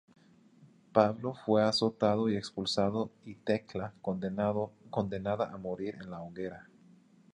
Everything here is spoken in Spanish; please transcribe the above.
Pablo fue azotado y expulsado y Tecla condenada a morir en la hoguera.